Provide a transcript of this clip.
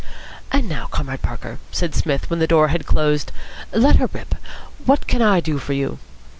"And now, Comrade Parker," said Psmith, when the door had closed, "let her rip. What can I do for you?"